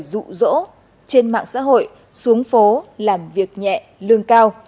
rụ rỗ trên mạng xã hội xuống phố làm việc nhẹ lương cao